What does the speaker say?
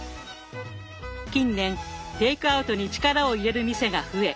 近年テイクアウトに力を入れる店が増え